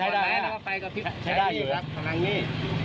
อันนั้นเถาไฟติดอยู่ตลอดตรงนู้น